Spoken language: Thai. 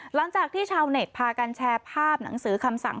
หลังจากที่ชาวเน็ตพากันแชร์ภาพหนังสือคำสั่ง